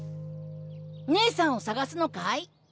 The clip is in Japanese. ねえさんを捜すのかい？